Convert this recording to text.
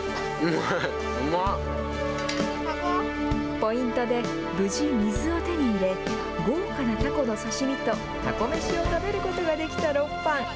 ポイントで無事、水を手に入れ豪華なたこの刺身とたこ飯を食べることができた６班。